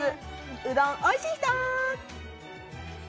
うどんおいしい人？